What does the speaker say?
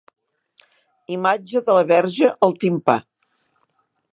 Imatge de la verge al timpà.